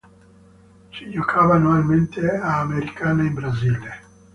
Si giocava annualmente a Americana in Brasile.